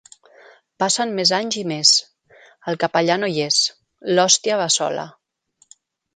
Passen més anys i més, el capellà no hi és: l’hòstia va sola.